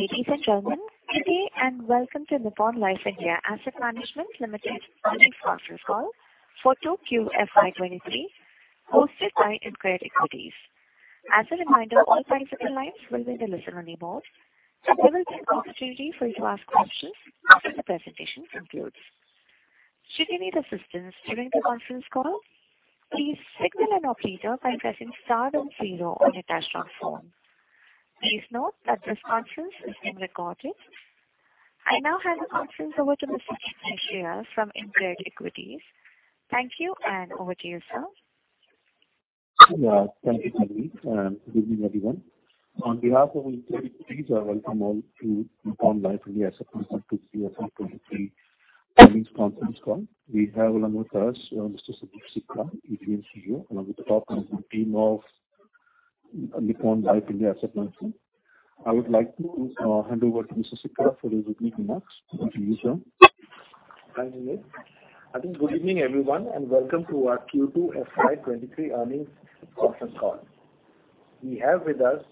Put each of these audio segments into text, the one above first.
Ladies and gentlemen, good day and welcome to Nippon Life India Asset Management Limited earnings conference call for 2Q FY 2023, hosted by Emkay Equities. As a reminder, all participant lines will be in a listen-only mode. There will be an opportunity for you to ask questions after the presentation concludes. Should you need assistance during the conference call, please signal an operator by pressing star then zero on your touchtone phone. Please note that this conference is being recorded. I now hand the conference over to Mr. Ashish Chugani from Emkay Equities. Thank you, and over to you, sir. Yeah, thank you, Naveen. Good evening, everyone. On behalf of Emkay Equities, I welcome all to Nippon Life India Asset Management 2Q FY23 earnings conference call. We have along with us, Mr. Sundeep Sikka, Executive Director & CEO, along with the top management team of Nippon Life India Asset Management. I would like to hand Over to Mr. Sikka for his opening remarks. Over to you, sir. Thank you, Naveen. I think good evening, everyone, and welcome to our Q2 FY 2023 earnings conference call. We have with us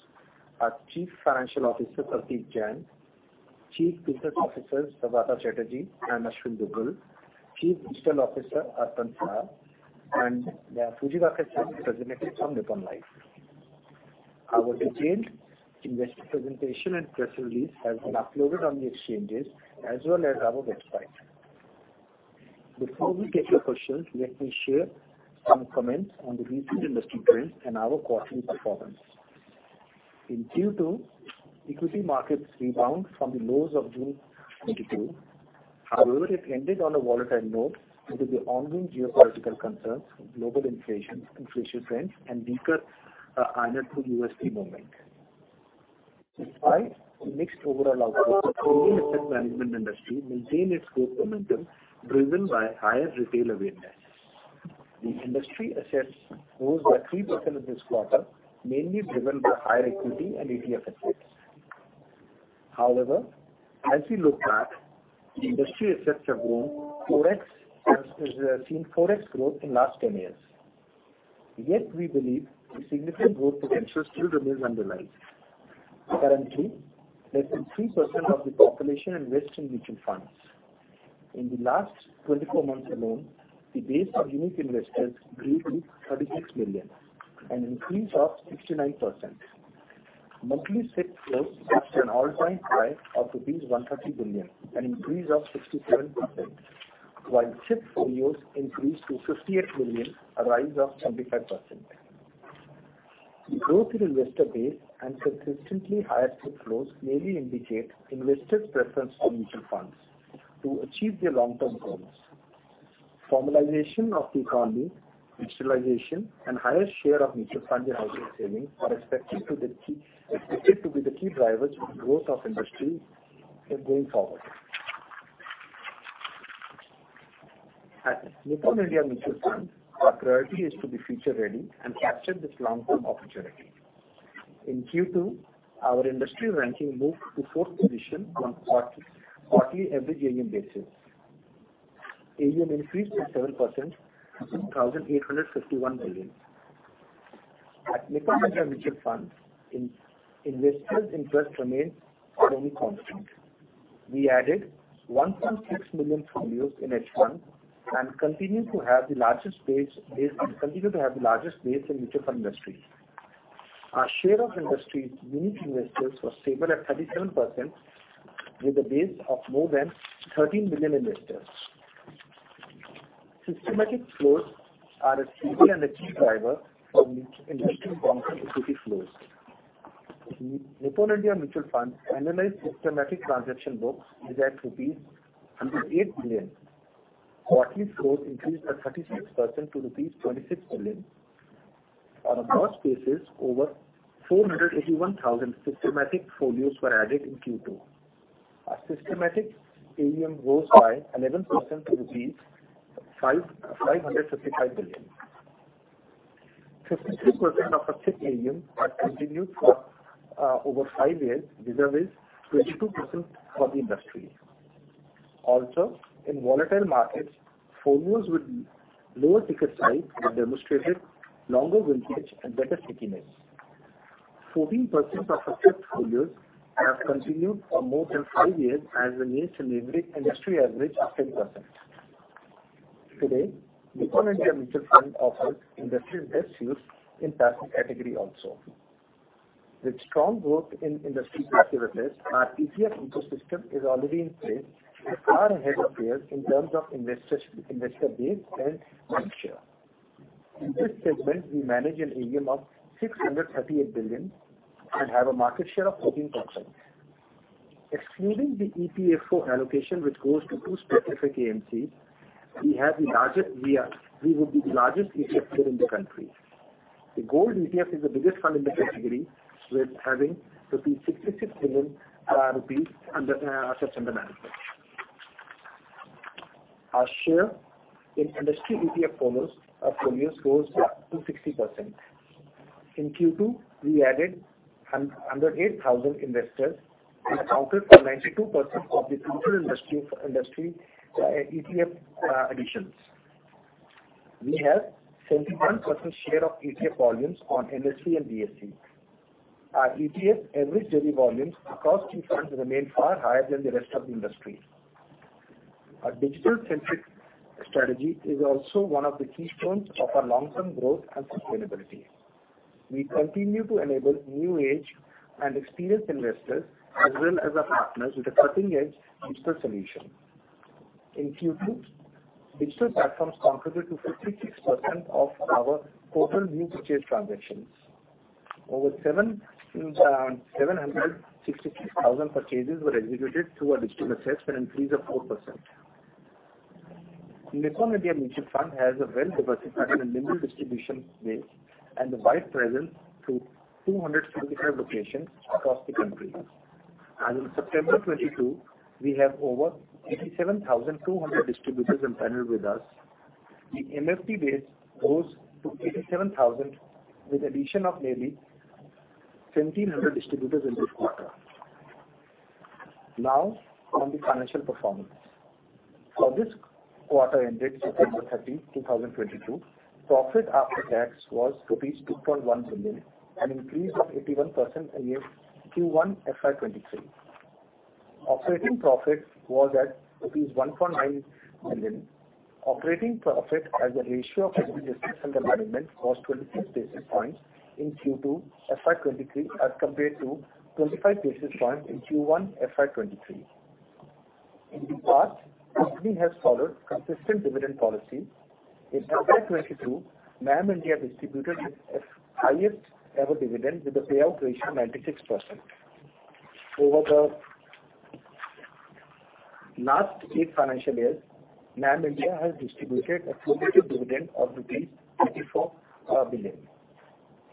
our Chief Financial Officer, Prateek Jain, Chief Business Officers, Saugata Chatterjee and Aashwin Dugal, Chief Digital Officer, Arpanarghya Saha, and Takayuki Fujii, representative from Nippon Life. Our detailed investor presentation and press release have been uploaded on the exchanges as well as our website. Before we take your questions, let me share some comments on the recent industry trends and our quarterly performance. In Q2, equity markets rebound from the lows of June 2022. However, it ended on a volatile note into the ongoing geopolitical concerns, global inflation trends, and weaker INR to USD movement. Despite the mixed overall outlook, the total asset management industry maintained its growth momentum driven by higher retail awareness. The industry assets rose by 3% in this quarter, mainly driven by higher equity and ETF assets. However, as we look back, the industry assets have seen 4x growth in last 10 years. Yet, we believe the significant growth potential still remains underlying. Currently, less than 3% of the population invest in mutual funds. In the last 24 months alone, the base of unique investors grew to 36 million, an increase of 69%. Monthly SIP flows touched an all-time high of rupees 130 billion, an increase of 67%, while SIP folios increased to 58 million, a rise of 75%. The growth in investor base and consistently higher SIP flows mainly indicate investors' preference for mutual funds to achieve their long-term goals. Formalization of the economy, digitalization, and higher share of mutual fund in household savings are expected to be the key drivers for the growth of industry going forward. At Nippon India Mutual Fund, our priority is to be future ready and capture this long-term opportunity. In Q2, our industry ranking moved to fourth position on quarterly average AUM basis. AUM increased by 7% to 1,851 billion. At Nippon India Mutual Fund, investors' interest remains firmly constant. We added 1.6 million folios in H1 and continue to have the largest base in mutual fund industry. Our share of industry's unique investors was stable at 37% with a base of more than 13 million investors. Systematic flows are a stable and a key driver for industry's ongoing equity flows. Nippon India Mutual Fund annualized systematic transaction books is at rupees 108 billion. Quarterly flows increased by 36% to rupees 26 billion. On a gross basis, over 481,000 systematic folios were added in Q2. Our systematic AUM rose by 11% to rupees 5,555 billion. 53% of our SIP AUM are continued for over five years vis-à-vis 22% for the industry. In volatile markets, folios with lower ticket size have demonstrated longer vintage and better stickiness. 14% of our SIP folios have continued for more than five years as against an average industry average of 10%. Today, Nippon India Mutual Fund offers industry best yields in passive category also. With strong growth in industry passive assets, our ETF ecosystem is already in place and far ahead of peers in terms of investors, investor base and market share. In this segment, we manage an AUM of 638 billion and have a market share of 14%. Excluding the ETF flow allocation which goes to two specific AMCs, we would be the largest ETF player in the country. The gold ETF is the biggest fund in the category with INR 66 billion in assets under management. Our share in industry ETF folios rose to 60%. In Q2, we added 108 thousand investors and accounted for 92% of the total industry ETF additions. We have 71% share of ETF volumes on NSE and BSE. Our ETF average daily volumes across key funds remain far higher than the rest of the industry. Our digital-centric strategy is also one of the keystones of our long-term growth and sustainability. We continue to enable new age and experienced investors, as well as our partners with a cutting-edge digital solution. In Q2, digital platforms contributed to 56% of our total new purchase transactions. Over 763,000 purchases were executed through our digital assets, an increase of 4%. Nippon India Mutual Fund has a well-diversified and nimble distribution base and a wide presence through 275 locations across the country. As in September 2022, we have over 87,200 distributors empaneled with us. The MFD base rose to 87,000 with addition of nearly 1,700 distributors in this quarter. Now on the financial performance. For this quarter ended September 30, 2022, profit after tax was rupees 2.1 billion, an increase of 81% year-on-year Q1 FY23. Operating profit was at rupees 1.9 million. Operating profit as a ratio of business under management was 26 basis points in Q2 FY23 as compared to 25 basis points in Q1 FY23. In the past, company has followed consistent dividend policy. In 2022, NAM India distributed its highest ever dividend with a payout ratio 96%. Over the last eight financial years, NAM India has distributed a cumulative dividend of rupees 34 billion.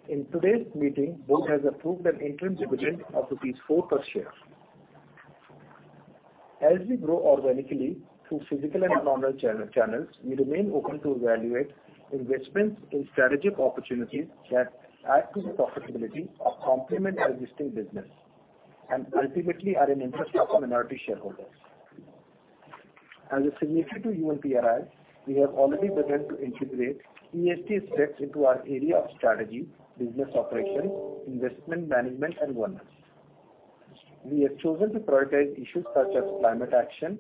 In today's meeting, Board has approved an interim dividend of rupees 4 per share. As we grow organically through physical and online channels, we remain open to evaluate investments in strategic opportunities that add to the profitability or complement our existing business and ultimately are in interest of minority shareholders. As a signature to UNPRI, we have already begun to integrate ESG steps into our area of strategy, business operations, investment management and wellness. We have chosen to prioritize issues such as climate action,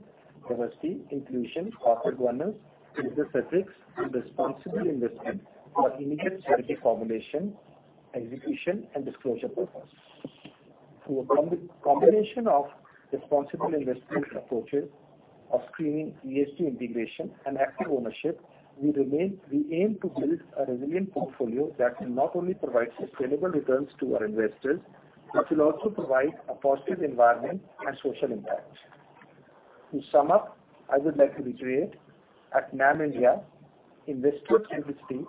diversity, inclusion, corporate governance, data ethics, and responsible investment for immediate strategy formulation, execution, and disclosure purpose. Through a combination of responsible investment approaches of screening ESG integration and active ownership, we aim to build a resilient portfolio that will not only provide sustainable returns to our investors, but will also provide a positive environment and social impact. To sum up, I would like to reiterate, at NAM India, investor centricity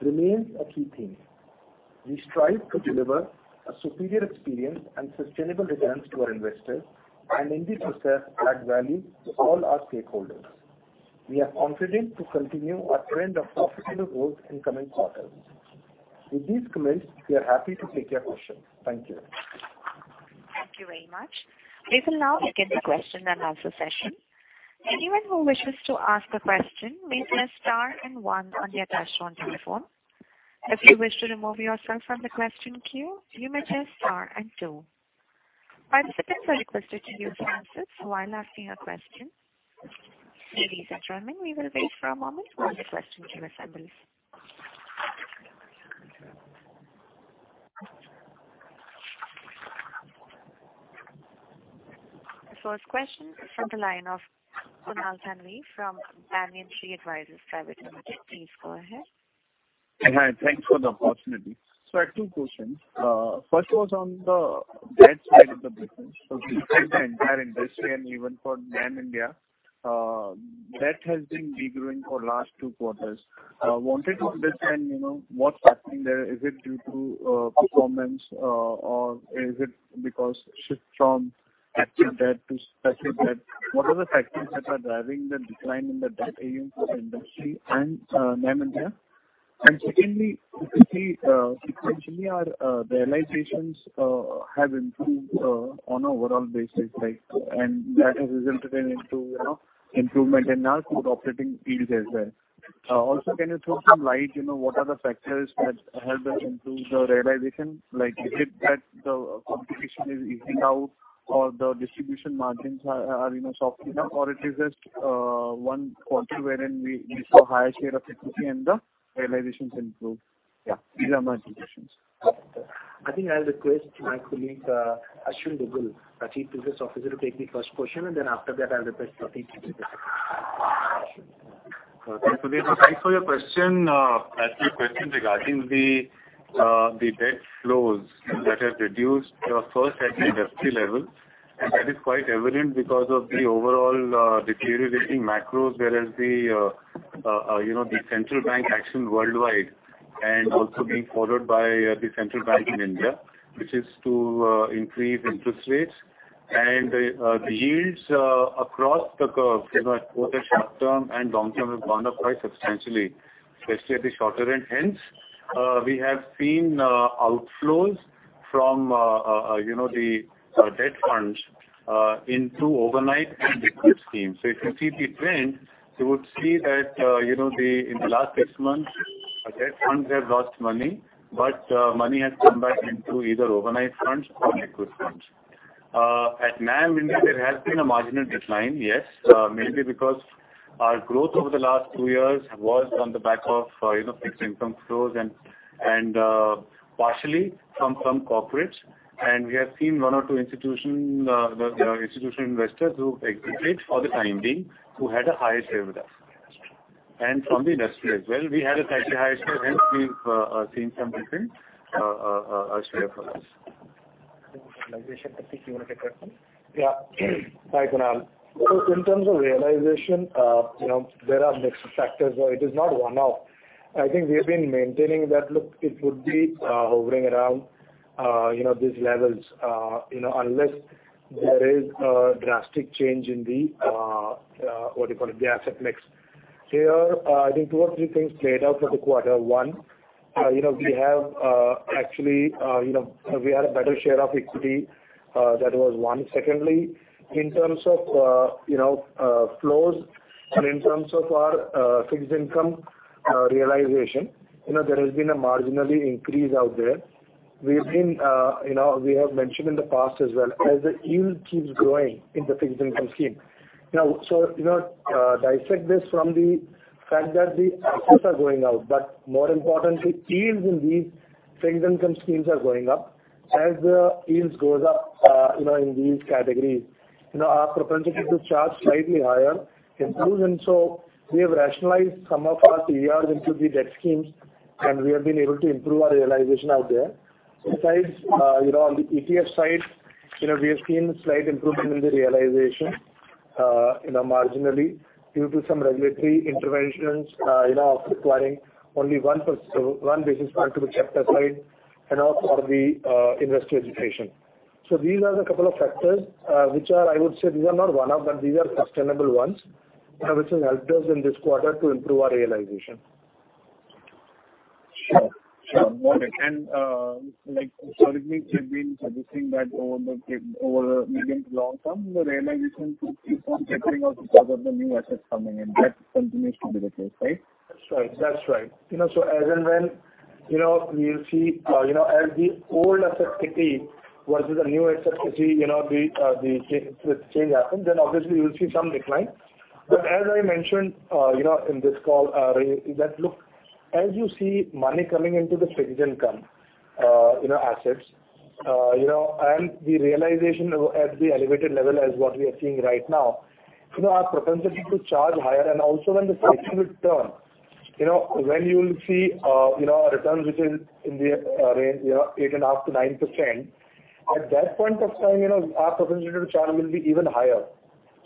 remains a key theme. We strive to deliver a superior experience and sustainable returns to our investors and in the process, add value to all our stakeholders. We are confident to continue our trend of profitable growth in coming quarters. With these comments, we are happy to take your questions. Thank you. Thank you very much. We will now begin the question and answer session. Anyone who wishes to ask a question may press star and one on their touchtone telephone. If you wish to remove yourself from the question queue, you may press star and two. Participants are requested to use a handset while asking a question. Ladies and gentlemen, we will wait for a moment while the question queue assembles. First question is from the line of Kunal Thanvi from Banyan Tree Advisors Private Limited. Please go ahead. Hi, thanks for the opportunity. I have two questions. First was on the debt side of the business. We heard the entire industry and even for NAM India, debt has been de-growing for last two quarters. Wanted to understand, you know, what's happening there. Is it due to performance or is it because shift from active debt to passive debt? What are the factors that are driving the decline in the debt AUM for the industry and NAM India? Secondly, we can see essentially our realizations have improved on overall basis, right? And that has resulted in to, you know, improvement in our core operating fees as well. Also, can you throw some light, you know, what are the factors that help us improve the realization? Like is it that the competition is easing out or the distribution margins are, you know, softening up or it is just one quarter wherein we saw higher share of equity and the realizations improved? Yeah, these are my two questions. I think I'll request my colleague, Aashwin Dugal, the Chief Business Officer, to take the first question, and then after that I'll request Prateek Jain to take the second question. Thanks for your question. As per your question regarding the debt flows that have reduced, first at the industry level, and that is quite evident because of the overall deteriorating macros, whereas you know, the central bank action worldwide and also being followed by the central bank in India. Which is to increase interest rates and the yields across the curve, you know, both the short-term and long-term have gone up quite substantially, especially at the shorter end. Hence, we have seen outflows from you know, the debt funds into overnight and liquid schemes. If you see the trend, you would see that you know, in the last six months, our debt funds have lost money. Money has come back into either overnight funds or liquid funds. At NAM India, there has been a marginal decline, yes. Mainly because our growth over the last two years was on the back of, you know, fixed income flows and partially from corporates. We have seen one or two institutional investors who exited for the time being, who had a higher share with us. From the industry as well, we had a slightly higher share, and we've seen some different share from us. Realization, Prateek, you want to take that one? Yeah. Hi, Kunal. In terms of realization, you know, there are mixed factors. It is not one-off. I think we have been maintaining that. Look, it would be hovering around, you know, these levels, you know, unless there is a drastic change in the, what you call it, the asset mix. Here, I think two or three things played out for the quarter. One, you know, we have actually, you know, we had a better share of equity, that was one. Secondly, in terms of, you know, flows and in terms of our, fixed income, realization, you know, there has been a marginal increase out there. We have mentioned in the past as well, as the yield keeps growing in the fixed income scheme. You know, you know, dissect this from the fact that the assets are going out, but more importantly, yields in these fixed income schemes are going up. As the yields goes up, you know, in these categories, you know, our propensity to charge slightly higher improves. We have rationalized some of our TERs into the debt schemes, and we have been able to improve our realization out there. Besides, you know, on the ETF side, you know, we have seen slight improvement in the realization, you know, marginally due to some regulatory interventions, you know, requiring only one business day to be cash side and all for the industry education. These are the couple of factors, which are, I would say these are not one-off, but these are sustainable ones, which has helped us in this quarter to improve our realization. Sure, sure. Got it. Like, Sundeep Sikka, we've been suggesting that over medium to long term, the realization should keep on tapering out because of the new assets coming in. That continues to be the case, right? That's right. You know, so as and when, you know, we'll see, as the old asset kitty versus the new asset kitty, you know, the change happens, then obviously we'll see some decline. As I mentioned, you know, in this call, that look, as you see money coming into the fixed income, you know, assets, you know, and the realization at the elevated level as what we are seeing right now, you know, our propensity to charge higher and also when the cycle will turn, you know, when you'll see, you know, our returns which is in the range, you know, 8.5%-9%, at that point of time, you know, our propensity to charge will be even higher.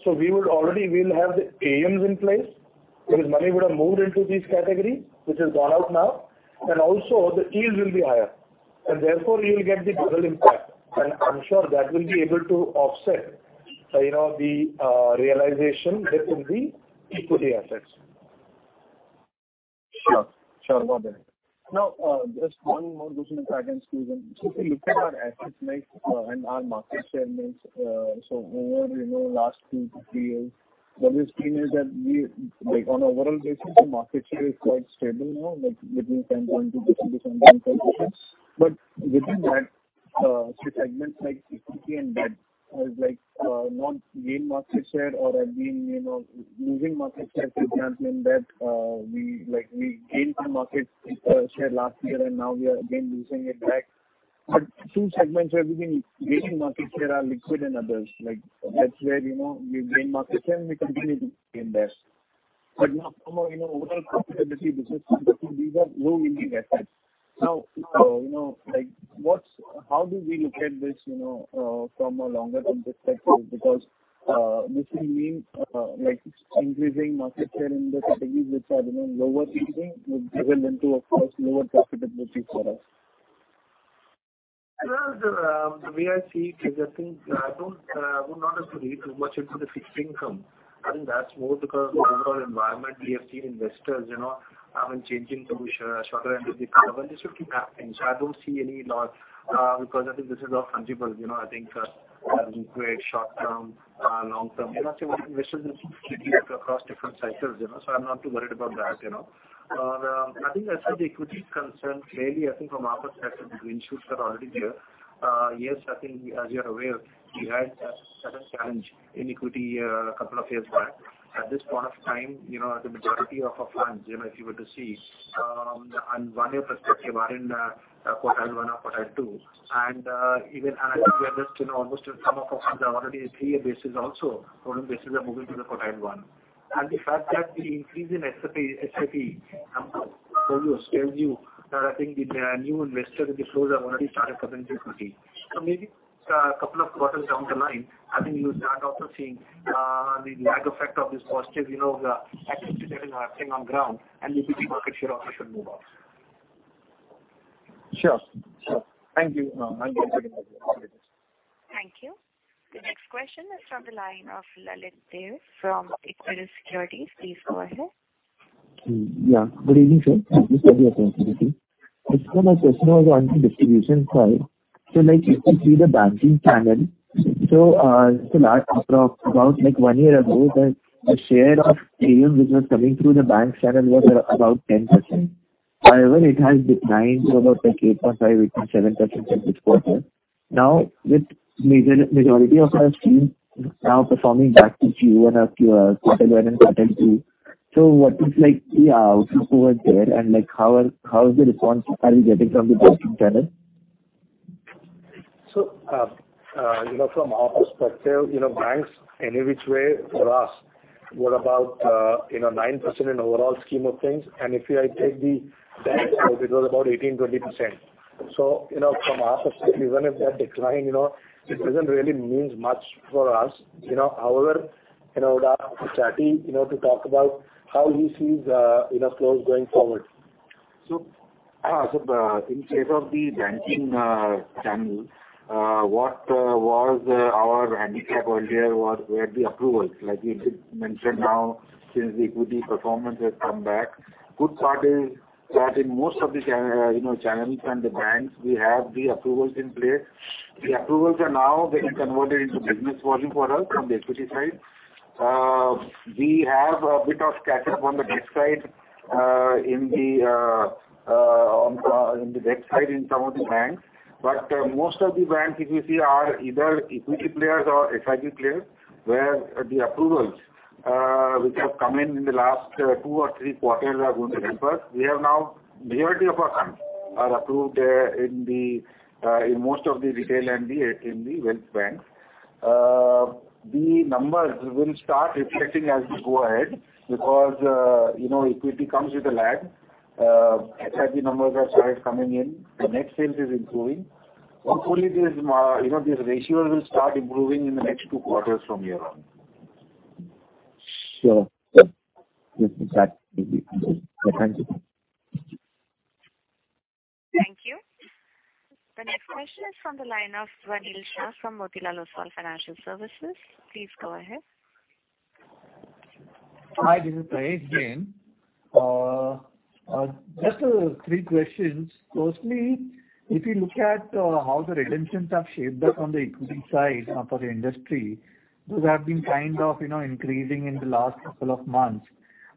We would already. We'll have the AUMs in place because money would have moved into these categories, which has gone out now. Also the yield will be higher. Therefore, we will get the double impact. I'm sure that will be able to offset, you know, the realization hit in the equity assets. Sure. Got it. Now, just one more question if I can squeeze in. If you look at our asset mix and our market share mix, over, you know, last 2-3 years, what we've seen is that we, like, on a overall basis, the market share is quite stable now, like between 10.2% to sometimes 10%. But within that, segments like equity and debt has, like, not gained market share or have been, you know, losing market share. For example, in debt, we, like, gained some market share last year, and now we are again losing it back. But two segments where we've been gaining market share are liquid and others, like, that's where, you know, we've gained market share and we continue to gain there. Now from a, you know, overall profitability business perspective, these are low-yielding assets. Now, you know, like, how do we look at this, you know, from a longer-term perspective? Because this will mean, like, increasing market share in the categories which are, you know, lower yielding will drive us into, of course, lower profitability for us. Well, the way I see it is I think I would not have to read too much into the fixed income. I think that's more because of overall environment. We have seen investors, you know, changing to shorter end of the curve, and this will keep happening. I don't see any loss because I think this is all functional. You know, I think liquid, short term, long term, you know, so investors will keep switching across different sectors, you know. I'm not too worried about that, you know. I think as far as the equity is concerned, clearly, I think from our perspective, the green shoots are already there. Yes, I think as you're aware, we had a certain challenge in equity a couple of years back. At this point of time, you know, the majority of our funds, you know, if you were to see, on one-year perspective are in the quartile one or quartile two. I think we are just, you know, almost in some of our funds are already a three-year basis also. Four of them bases are moving to the quartile one. The fact that the increase in SIP numbers tells you that I think the new investor, the flows have already started coming to equity. Maybe a couple of quarters down the line, I think you'll start also seeing the lag effect of this positive, you know, activity that is happening on ground and the equity market share also should move up. Sure. Sure. Thank you. No, I think that's it. Question is from the line of Lalit Deo from Equirus Securities. Please go ahead. Yeah. Good evening, sir. Thank you for the opportunity. Sir, my question was on the distribution side. Like if you see the banking channel, like approximately about like one year ago, the share of AUM which was coming through the bank channel was about 10%. However, it has declined to about like 8.5% between 7% in this quarter. Now, with majority of our schemes now performing back to Q1 or Q2, quarter one and quarter two. What is like the outlook over there and like how is the response you are getting from the banking channel? you know, from our perspective, you know, banks any which way for us were about 9% in overall scheme of things. If I take the banks out, it was about 18-20%. you know from our perspective, even if they decline, you know, it doesn't really means much for us. You know, however, you know, I'll ask Saugata Chatterjee, you know, to talk about how he sees you know, flows going forward. In case of the banking channel, what was our handicap earlier was we had the approvals like we did mention now since the equity performance has come back. Good part is that in most of the channels and the banks, we have the approvals in place. The approvals are now getting converted into business volume for us from the equity side. We have a bit of catch up on the debt side in some of the banks. Most of the banks if you see are either equity players or FI players, where the approvals which have come in in the last two or three quarters are going to help us. We have now majority of our schemes are approved in most of the retail and the wealth banks. The numbers will start reflecting as we go ahead because you know equity comes with a lag. FI numbers have started coming in. The net sales is improving. Hopefully this, you know, this ratio will start improving in the next two quarters from here on. Sure. Yes, we start with you. Thank you. Thank you. The next question is from the line of Rahil Shah from Motilal Oswal Financial Services. Please go ahead. Hi, this is Prayesh again. Just three questions. Firstly, if you look at how the redemptions have shaped up on the equity side for the industry, those have been kind of, you know, increasing in the last couple of months.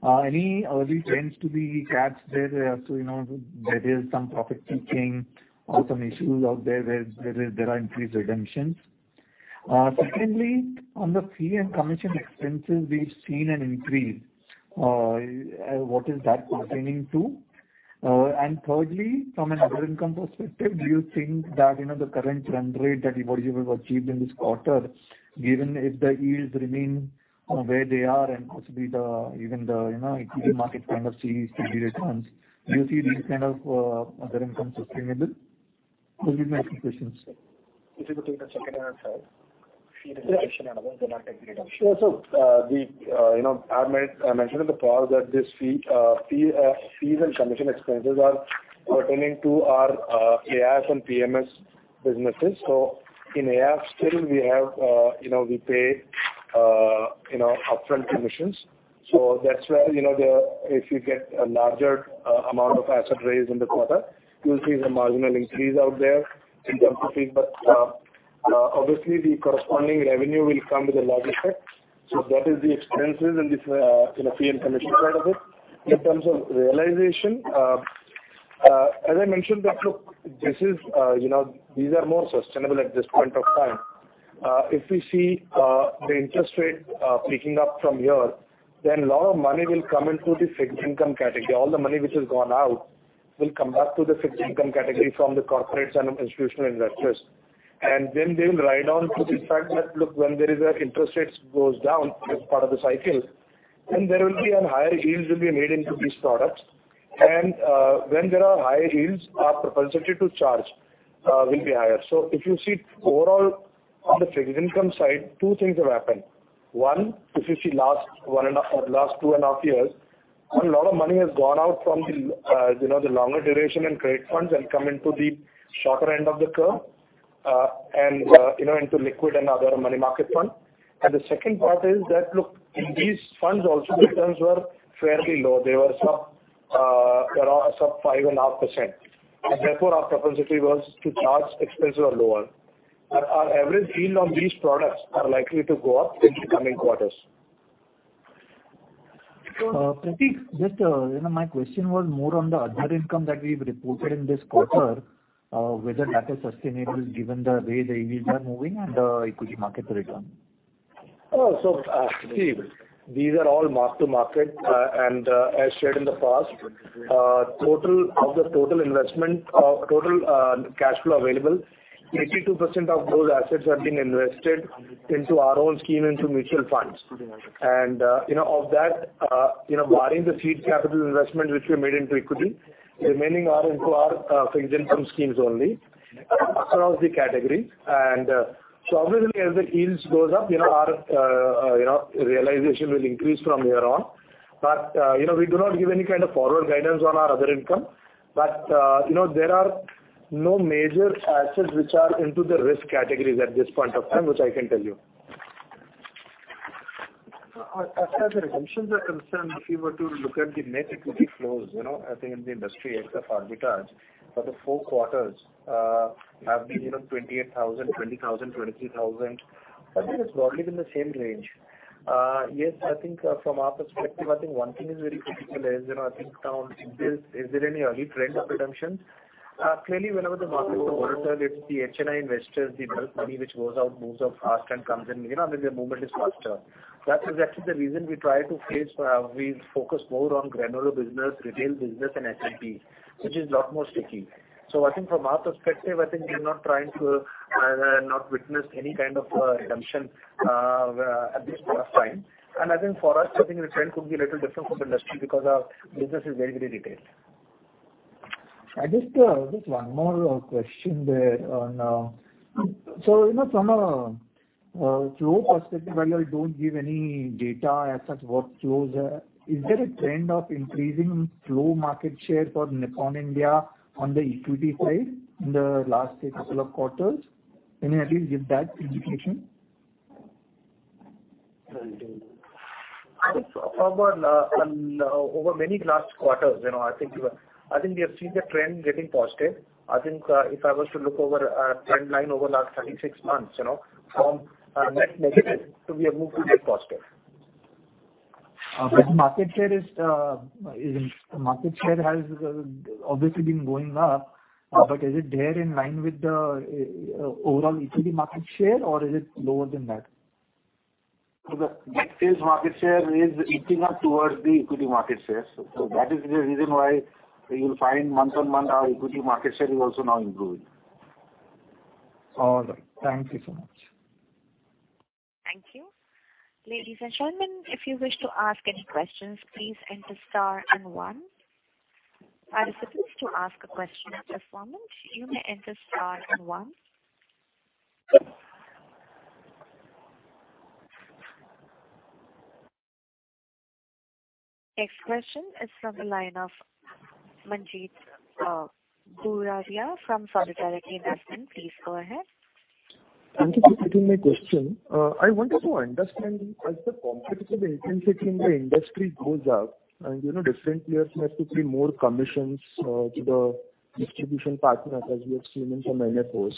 Any early trends to the gaps there as to, you know, there is some profit taking or some issues out there where there are increased redemptions? Secondly, on the fee and commission expenses, we've seen an increase. What is that pertaining to? Thirdly, from an other income perspective, do you think that, you know, the current run rate that you, what you have achieved in this quarter, given if the yields remain, where they are and possibly even the, you know, equity market kind of sees steady returns, do you see these kind of other incomes sustainable? Those are my three questions, sir. If you could take the second one, sir. Fees and commissions and other than that redemption. Yeah. I mentioned in the past that these fees and commission expenses are pertaining to our AIF and PMS businesses. In AIF we still have you know we pay upfront commissions. That's where you know if you get a larger amount of asset raise in the quarter, you'll see the marginal increase out there in terms of fees. Obviously the corresponding revenue will come with a lag effect. That is the expenses in this fee and commission side of it. In terms of realization, as I mentioned, look, this is you know these are more sustainable at this point of time. If we see the interest rate picking up from here, then lot of money will come into the fixed income category. All the money which has gone out will come back to the fixed income category from the corporates and institutional investors. They will ride on to the fact that look, when there is a interest rates goes down as part of the cycle, then there will be an higher yields will be made into these products. When there are higher yields, our propensity to charge will be higher. If you see overall on the fixed income side, two things have happened. One, if you see last 2.5 years, a lot of money has gone out from the longer duration and credit funds and come into the shorter end of the curve into liquid and other money market funds. The second part is that look, in these funds also the returns were fairly low. They are sub-5.5%. Therefore, our propensity was to charge expenses were lower. Our average yield on these products are likely to go up in the coming quarters. Prateek, just, you know, my question was more on the other income that we've reported in this quarter, whether that is sustainable given the way the yields are moving and equity market return. These are all mark to market. As shared in the past, total of the total investment or total cash flow available, 82% of those assets have been invested into our own scheme into mutual funds. You know, of that, you know, barring the seed capital investment which we made into equity, remaining are into our fixed income schemes only across the category. Obviously as the yields goes up, you know, our realization will increase from here on. You know, we do not give any kind of forward guidance on our other income. You know, there are no major assets which are into the risk categories at this point of time, which I can tell you. As far as redemptions are concerned, if you were to look at the net equity flows, you know, I think in the industry except arbitrage for the four quarters have been, you know, 28,000, 20,000, 23,000. I think it's broadly been the same range. Yes, I think from our perspective, I think one thing is very critical, you know, is there any early trend of redemption? Clearly whenever the market is volatile, it's the HNI investors, the bulk money which goes out moves out fast and comes in, you know, the movement is faster. That is actually the reason we focus more on granular business, retail business and HNIs, which is a lot more sticky. I think from our perspective, I think we're not trying to not witness any kind of redemption at this point of time. I think for us, I think the trend could be a little different from industry because our business is very, very retail. I guess just one more question there on, so you know, from a flow perspective, although you don't give any data as such what flows are. Is there a trend of increasing flow market share for Nippon India on the equity side in the last say couple of quarters? Can you at least give that indication? I think over over many last quarters, you know, I think we have seen the trend getting positive. I think if I was to look over trend line over last 36 months, you know, from net negative so we have moved to net positive. Okay. Market share has obviously been going up. Is it in line with the overall equity market share or is it lower than that? The net sales market share is inching up towards the equity market share. That is the reason why you'll find month-on-month our equity market share is also now improving. All right. Thank you so much. Thank you. Ladies and gentlemen, if you wish to ask any questions, please enter star and one. Participants to ask a question at this moment, you may enter star and one. Next question is from the line of Manjit Dhuravia from Solidarity Investment. Please go ahead. Thank you for taking my question. I wanted to understand as the competitive intensity in the industry goes up and, you know, different players have to pay more commissions to the distribution partners as we have seen in some NFOs.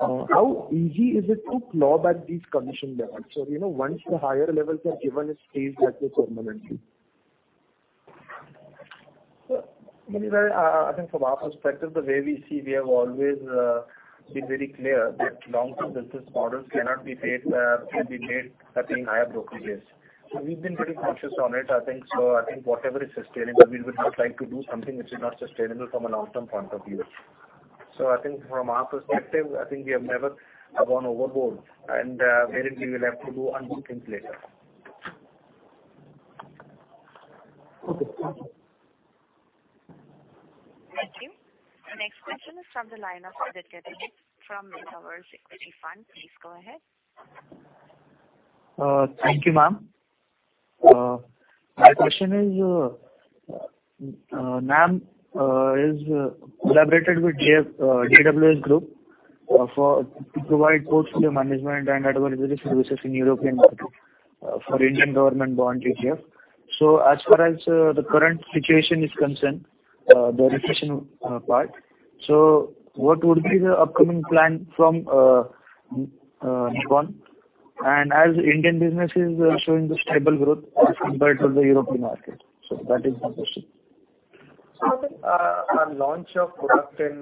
How easy is it to claw back these commission levels so, you know, once the higher levels are given, it stays that way permanently? Manjit, I think from our perspective, the way we see, we have always been very clear that long-term business models cannot be made at any higher brokerage rates. We've been very conscious on it. I think whatever is sustainable, we would not like to do something which is not sustainable from a long-term point of view. I think from our perspective, I think we have never gone overboard and, wherein we will have to undo things later. Okay, thank you. Thank you. Next question is from the line of Ajit Khede from Tower Equity Fund. Please go ahead. Thank you, ma'am. My question is, NAM is collaborated with DWS Group to provide portfolio management and advisory services in European market for Indian government bond ETF. As far as the current situation is concerned, the recession part. What would be the upcoming plan from Nippon? Indian business is showing the stable growth as compared to the European market. That is my question. Our launch of product and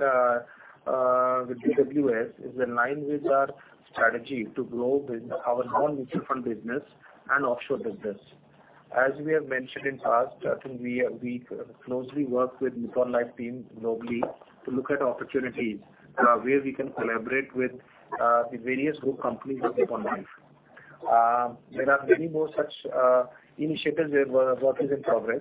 with DWS is in line with our strategy to grow with our non-mutual fund business and offshore business. As we have mentioned in past, I think we closely work with Nippon Life team globally to look at opportunities where we can collaborate with the various group companies of Nippon Life. There are many more such initiatives where work is in progress.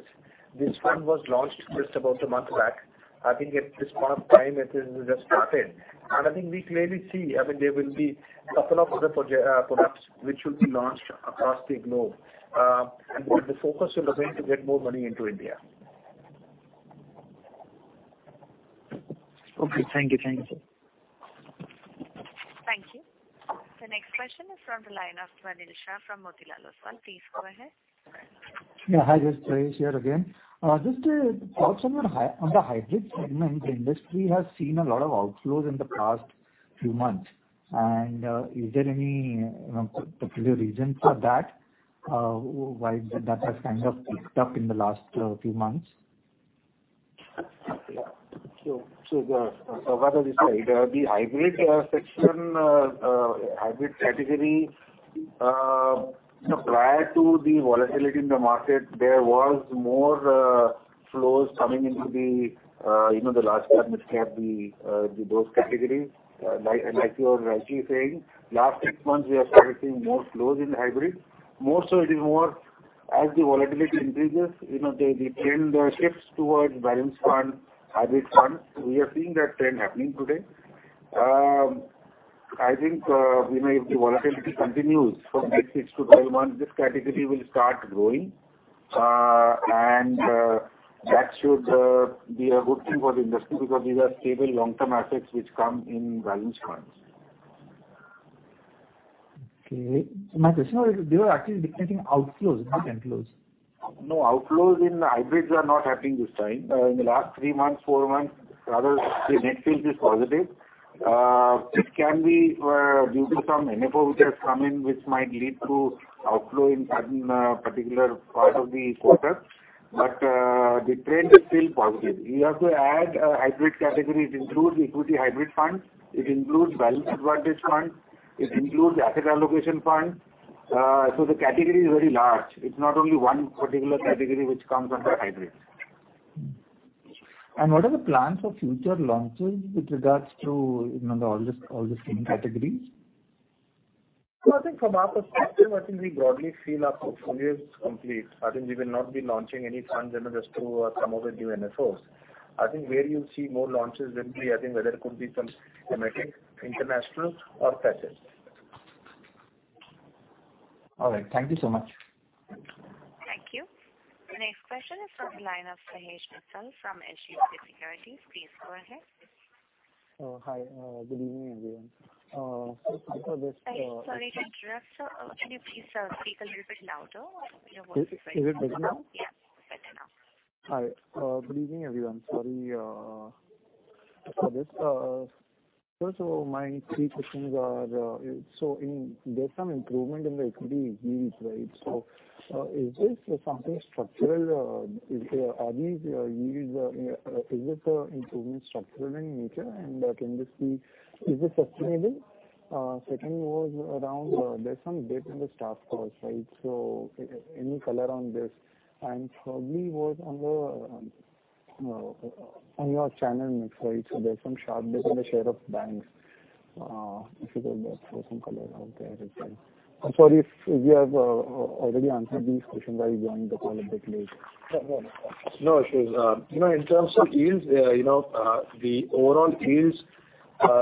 This one was launched just about a month back. I think at this point of time it is just started. I think we clearly see, I mean, there will be couple of other products which will be launched across the globe. The focus will be to get more money into India. Okay. Thank you. Thank you, sir. Thank you. The next question is from the line of Rahil Shah from Motilal Oswal. Please go ahead. Yeah. Hi, just Prayesh here again. Just thoughts on the hybrid segment. The industry has seen a lot of outflows in the past few months. Is there any particular reason for that, why that has kind of picked up in the last few months? From our side, the hybrid category, you know, prior to the volatility in the market, there was more flows coming into the, you know, the large cap, mid cap, those categories. Like you are rightly saying, last six months we are starting to see more flows in the hybrid. More so it is more as the volatility increases, you know, the trend shifts towards balanced fund, hybrid funds. We are seeing that trend happening today. I think, you know, if the volatility continues from next six to 12 months, this category will start growing. That should be a good thing for the industry because these are stable long-term assets which come in balanced funds. Okay. My question was, they were actually decreasing outflows, not inflows. No outflows in hybrids are not happening this time. In the last three months, four months, rather, the net inflow is positive. This can be due to some NFO which has come in which might lead to outflow in certain particular part of the quarter. The trend is still positive. You have to add hybrid categories include equity hybrid funds, it includes balance advantage funds. Okay. It includes asset allocation funds. The category is very large. It's not only one particular category which comes under hybrid. What are the plans for future launches with regards to, you know, all this, all these same categories? No, I think from our perspective, I think we broadly feel our portfolio is complete. I think we will not be launching any funds, you know, just to come up with new NFOs. I think where you'll see more launches will be, I think, whether it could be some thematic, international or passive. All right. Thank you so much. Thank you. Next question is from line of Sahej Mehta from HDFC Securities. Please go ahead. Oh, hi. Good evening, everyone. After this. Sorry to interrupt, sir. Can you please speak a little bit louder? Your voice is very low. Is it better now? Yeah. Better now. Hi. Good evening, everyone. Sorry for this. First of all, my three questions are, there's some improvement in the equity yields, right? Is this something structural? Is this improvement structural in nature? Can this be sustainable? Second was around, there's some dip in the staff costs, right? Any color on this? Thirdly was on your channel mix, right? There's some sharp dip in the share of banks. If you could just throw some color out there as well. I'm sorry if you have already answered these questions. I joined the call a bit late. No, Sahej. You know, in terms of yields, you know, the overall yields,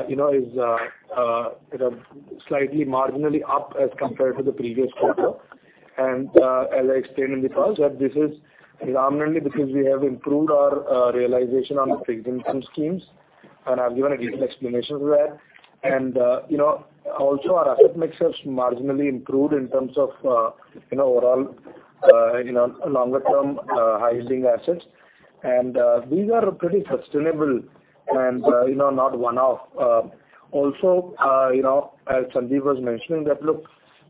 you know, is sort of slightly marginally up as compared to the previous quarter. As I explained in the call that this is predominantly because we have improved our realization on the fixed income schemes, and I've given a detailed explanation for that. You know, also our asset mix has marginally improved in terms of you know, overall, you know, longer term high yielding assets. These are pretty sustainable and you know, not one-off. Also, you know, as Sundeep was mentioning that, look,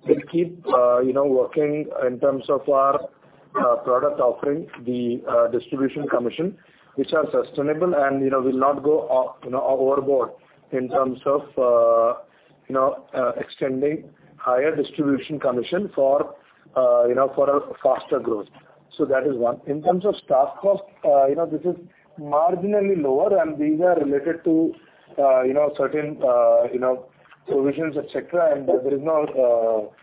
we'll keep, you know, working in terms of our, product offering, the, distribution commission, which are sustainable and, you know, will not go up, you know, overboard in terms of, you know, extending higher distribution commission for, you know, for a faster growth. So that is one. In terms of staff cost, you know, this is marginally lower, and these are related to, you know, certain, you know, provisions, et cetera. There is no,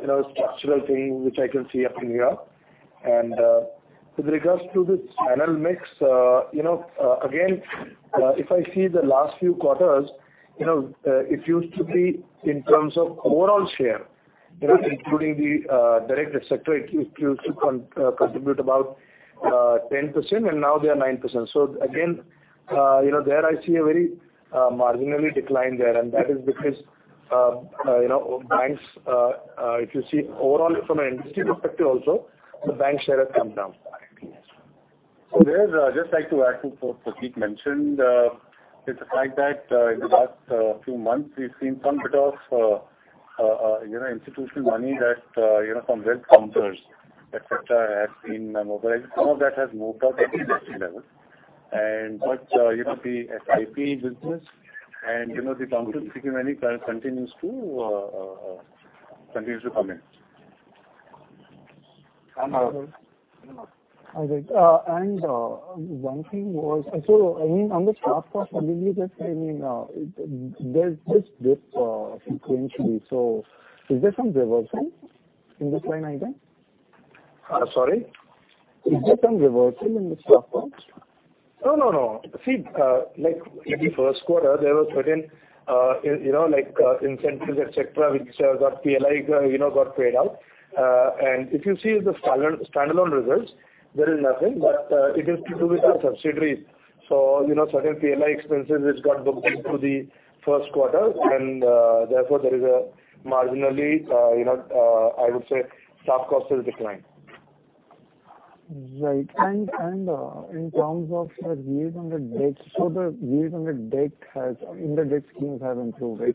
you know, structural thing which I can see happening here. With regards to the channel mix, you know, again, if I see the last few quarters, you know, it used to be in terms of overall share, you know, including the direct et cetera, it used to contribute about 10% and now they are 9%. Again, you know, there I see a very marginally decline there and that is because, you know, banks, if you see overall from an industry perspective also, the bank share have come down. Just like to add to what Prateek mentioned, is the fact that, in the last few months we've seen some bit of, you know, institutional money that, you know, from debt counters, et cetera, has been mobilized. Some of that has moved up at the investment level. But you know, the FI business and, you know, the Mm-hmm. Money continues to come in. And, uh- All right. One thing was, I mean, on the staff cost, I mean, you just saying, there's this dip sequentially. Is there some reversal in this line item? Sorry? Is there some reversal in the staff costs? No, no. See, like in the first quarter, there were certain, you know, like, incentives, et cetera, which got PLI, you know, got paid out. If you see the standalone results, there is nothing. It is due to the subsidiaries. You know, certain PLI expenses which got booked into the first quarter and, therefore there is a marginally, you know, I would say staff cost has declined. Right. In terms of the yields on the debt in the debt schemes have improved, right?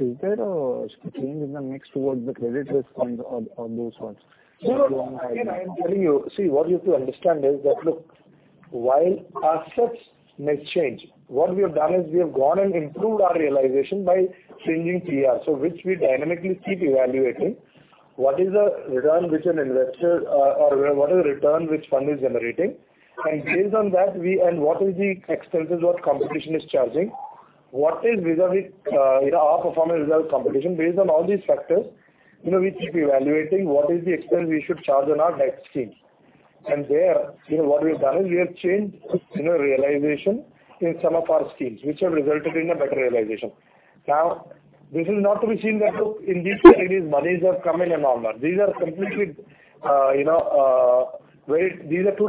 Is there a change in the mix towards the credit risk funds or those ones? No. Again, I am telling you. See, what you have to understand is that, look, while assets may change, what we have done is we have gone and improved our realization by changing TR, so, which we dynamically keep evaluating. What is the return which an investor or what is the return which fund is generating? Based on that, what is the expenses, what competition is charging? What is, vis-à-vis, you know, our performance versus competition? Based on all these factors, you know, we keep evaluating what is the expense we should charge on our debt schemes. There, you know, what we've done is we have changed, you know, realization in some of our schemes which have resulted in a better realization. Now, this is not to be seen that, look, in detail it is monies are coming and all that. These are two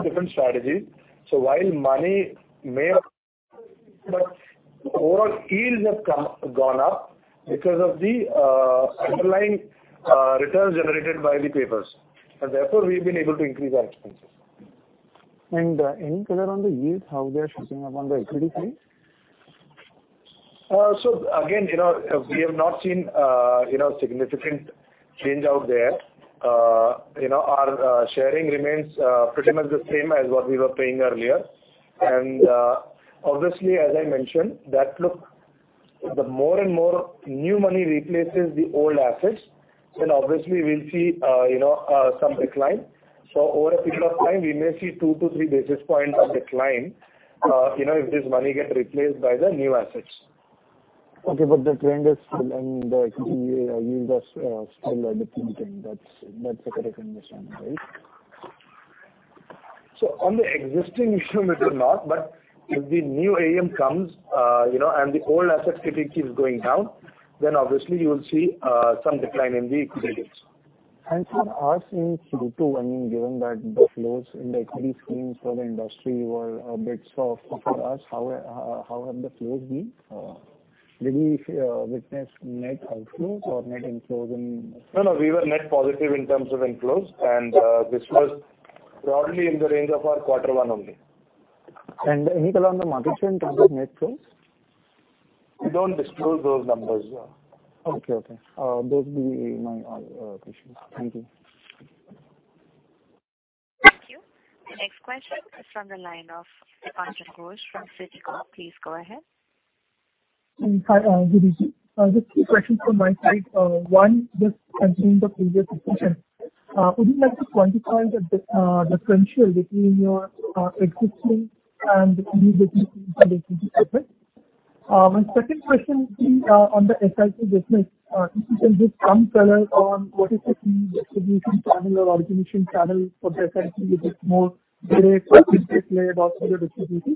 different strategies. While money may have, but overall yields have gone up because of the underlying returns generated by the papers. Therefore, we've been able to increase our expenses. Any color on the yields, how they are shaping up on the equity side? Again, you know, we have not seen significant change out there. You know, our sharing remains pretty much the same as what we were paying earlier. Obviously, as I mentioned, that look, the more and more new money replaces the old assets, then obviously we'll see some decline. Over a period of time, we may see 2-3 basis points of decline, you know, if this money gets replaced by the new assets. Okay. The trend is still and the equity yields are still declining. That's a correct understanding, right? On the existing issue, maybe not. If the new AUM comes, you know, and the old assets category keeps going down, then obviously you will see some decline in the equity yields. For us in Q2, I mean, given that the flows in the equity schemes for the industry were a bit soft for us, how have the flows been? Did we witness net outflows or net inflows in- No, we were net positive in terms of inflows, and this was broadly in the range of our quarter one only. Any color on the market share in terms of net flows? We don't disclose those numbers. Yeah. Okay. Those will be my all questions. Thank you. Thank you. The next question is from the line of Dipanjan Ghosh from Citigroup. Please go ahead. Hi. Good evening. I have three questions from my side. One, just continuing the previous question, would you like to quantify the differential between your existing and the new business in the equity assets? My second question would be on the SIP business. If you can give some color on what is the fee distribution channel or origination channel for the SIP, is it more direct or indirect play or through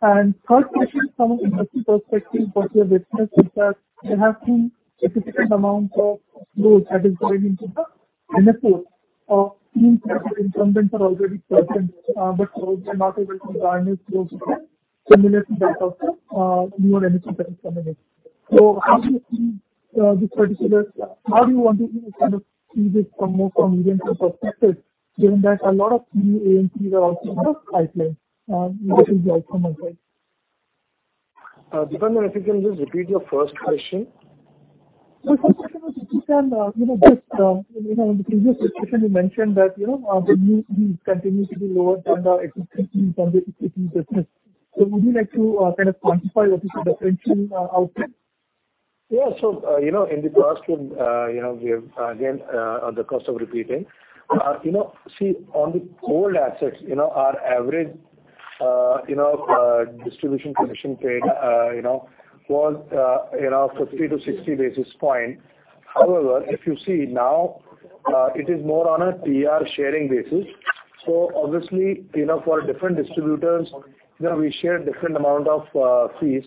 the distributors? Third question, from an industry perspective, what we have witnessed is that there has been a significant amount of flows that is going into the NFO of schemes where the incumbents are already present. But the market is garnering flows again similarly because of newer AMCs that are coming in. How do you see this particular? How do you want to, you know, kind of see this from a more regional perspective, given that a lot of new AMCs are also in the pipeline? This is all from my side. Dipanjan, if you can just repeat your first question. First question was if you can, you know, just, you know, in the previous question you mentioned that, you know, the fees continue to be lower than the existing business. Would you like to kind of quantify what is the differential out there? Yeah. You know, in the past, you know, we have, again, at the cost of repeating, you know, see, on the old assets, you know, our average, you know, distribution commission paid, you know, was, you know, 50-60 basis points. However, if you see now, it is more on a TR sharing basis. Obviously, you know, for different distributors, you know, we share different amount of fees.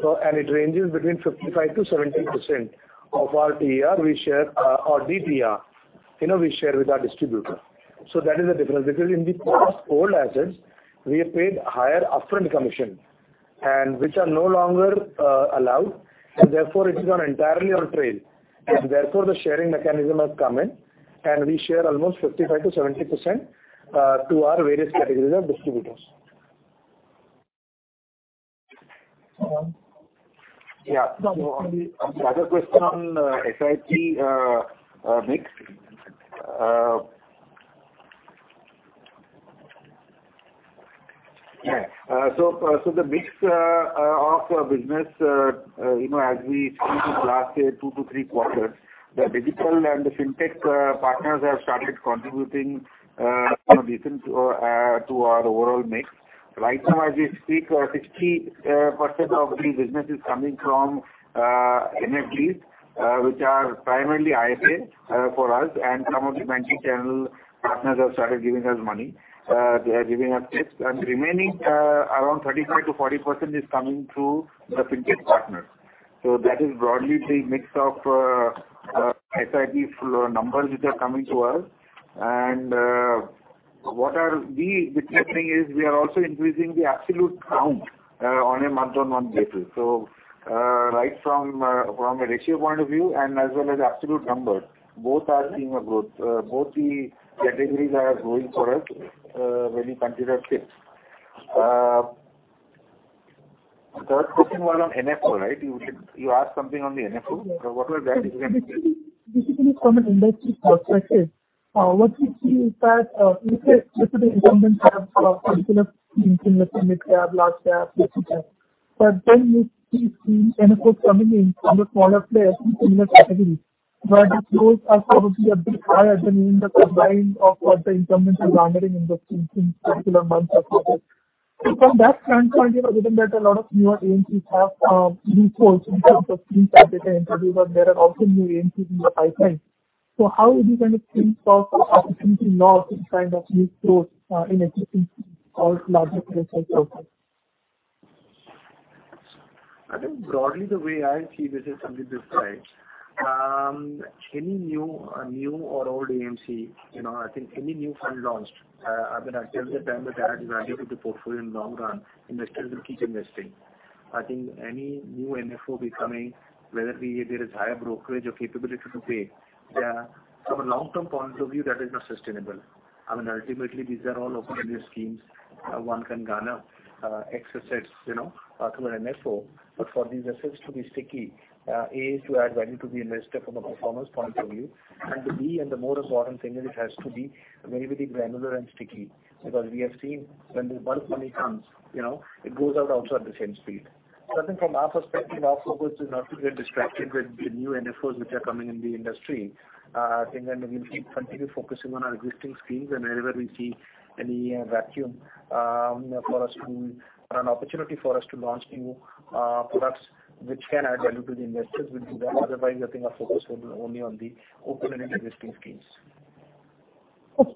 It ranges between 55%-70% of our TR we share, or DTR, you know, we share with our distributor. That is the difference. Because in the past old assets we have paid higher upfront commission and which are no longer allowed and therefore it is gone entirely on trail. Therefore, the sharing mechanism has come in and we share almost 55%-70% to our various categories of distributors. Follow up? Yeah. No. The other question on SIP mix. The mix of business, you know, as we speak, the last say 2-3 quarters, the digital and the Fintech partners have started contributing, you know, decently to our overall mix. Right now as we speak, 60% of the business is coming from MFDs, which are primarily IFA for us. Some of the banking channel partners have started giving us money. They are giving us this. Remaining around 35%-40% is coming through the Fintech partners. That is broadly the mix of SIP flow numbers which are coming to us. What we are witnessing is we are also increasing the absolute count on a month-on-month basis. Right from a ratio point of view and as well as absolute numbers, both are seeing a growth. Both the categories are growing for us when you consider this. The third question was on NFO, right? You said you asked something on the NFO. Yes. What was that? Basically from an industry perspective, what we see is that, let's say the incumbents have particular schemes in the mid-cap, large cap, multi-cap. We see schemes, NFOs coming in from the smaller players in similar categories, but the flows are probably a bit higher than even the combined of what the incumbents are garnering in those schemes in particular months or quarters. From that standpoint, you know, given that a lot of newer AMCs have new tools in terms of things that they can introduce, but there are also new AMCs in the pipeline. How would you kind of think of opportunity now to kind of new growth in existing or larger I think broadly the way I see this is something this way. Any new or old AMC, you know, I think any new fund launched, I mean, until the time that they are adding value to the portfolio in the long run, investors will keep investing. I think any new NFO becoming whether be if there is higher brokerage or capability to pay, yeah, from a long-term point of view, that is not sustainable. I mean, ultimately these are all open-ended schemes. One can garner excess assets, you know, through an NFO. For these assets to be sticky, A is to add value to the investor from a performance point of view, and B, the more important thing is it has to be very, very granular and sticky because we have seen when the bulk money comes, you know, it goes out also at the same speed. I think from our perspective, our focus is not to get distracted with the new NFOs which are coming in the industry. I think then we'll continue focusing on our existing schemes and wherever we see any opportunity for us to launch new products which can add value to the investors, we'll do that. Otherwise, I think our focus will be only on the open-ended existing schemes. Okay.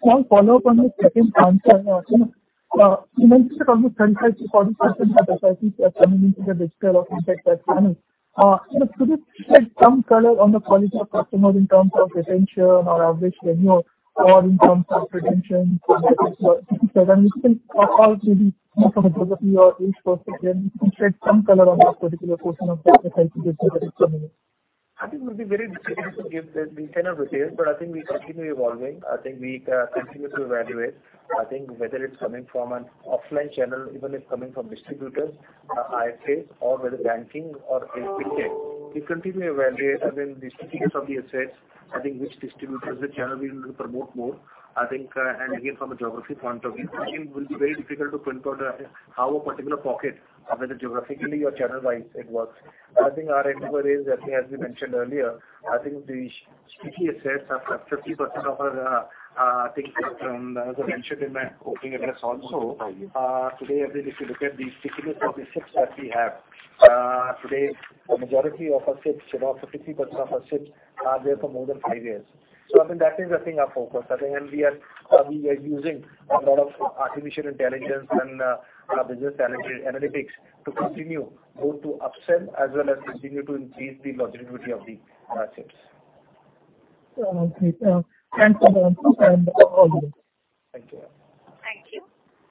One follow-up on the second point, sir. You mentioned that almost 35%-40% of the SIPs are coming into the digital or impact platform. Could you shed some color on the quality of customers in terms of retention or average revenue or in terms of retention or maybe from a geography or age perspective, if you can shed some color on that particular portion of the SIPs which are digital? I think it would be very difficult to give. We cannot reveal, but I think we continue evolving. I think we continue to evaluate. I think whether it's coming from an offline channel, even if coming from distributors, IFAs or whether banking or FPAs, we continue to evaluate. I mean, the specifics of the assets, I think which distributors or channel we'll promote more, I think, and again, from a geography point of view, I think it will be very difficult to pinpoint, how a particular pocket, whether geographically or channel-wise it works. I think our endeavor is, I think as we mentioned earlier, I think the sticky assets are 50% of our, I think as I mentioned in my opening address also. Today, I mean, if you look at the specifics of the SIPs that we have, today the majority of our SIPs, you know, 50% of our SIPs are there for more than five years. I think that is our focus. We are using a lot of artificial intelligence and business analytics to continue both to upsell as well as continue to increase the longevity of the SIPs. Great. Thanks for the answers and all the best. Thank you. Thank you.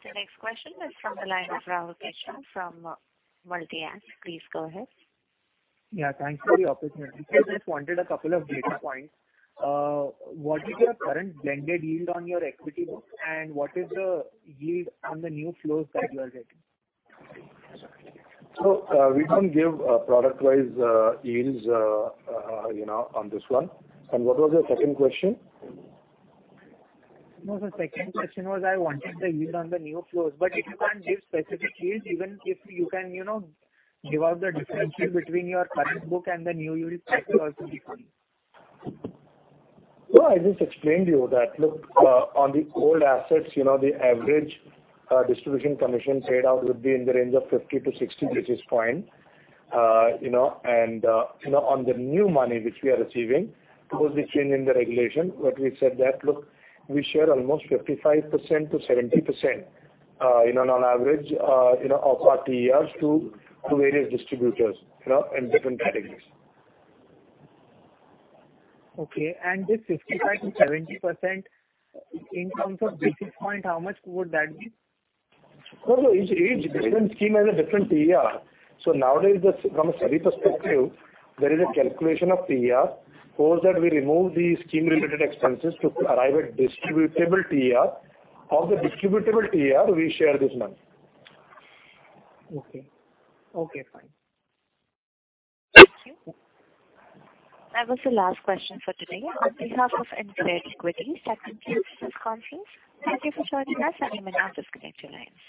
The next question is from the line of Rahul Keshan from MultiX. Please go ahead. Yeah, thanks for the opportunity. Sir, just wanted a couple of data points. What is your current blended yield on your equity book and what is the yield on the new flows that you are getting? We don't give product-wise yields, you know, on this one. What was your second question? No, the second question was I wanted the yield on the new flows. But if you can't give specific yields, even if you can, you know, give out the differential between your current book and the new yield that will also be fine. No, I just explained to you that look, on the old assets, you know, the average distribution commission paid out would be in the range of 50-60 basis points. You know, on the new money which we are receiving, post the change in the regulation, what we said that look, we share almost 55%-70%, you know, on average, you know, of our TRs to various distributors, you know, in different categories. Okay. This 55%-70% in terms of basis point, how much would that be? No, no. Each different scheme has a different TR. Nowadays, just from a study perspective, there is a calculation of TR. Post that we remove the scheme related expenses to arrive at distributable TR. Of the distributable TR, we share this money. Okay. Okay, fine. Thank you. That was the last question for today. On behalf of Emkay Equities, that concludes this conference. Thank you for joining us and you may now disconnect your lines.